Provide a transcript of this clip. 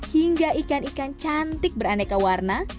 hingga ikan ikan cantik beraneka warna